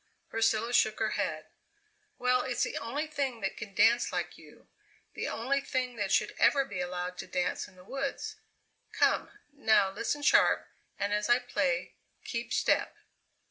Priscilla shook her head. "Well, it's the only thing that can dance like you; the only thing that should ever be allowed to dance in the woods. Come, now, listen sharp, and as I play, keep step."